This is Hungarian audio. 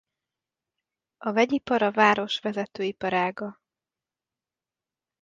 A vegyipar a város vezető iparága.